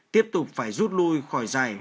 tiếp tục phải rút lui khỏi giải